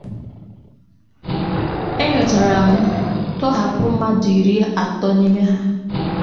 e nyochara ma tọhapụ mmadụ iri atọ n'ime ha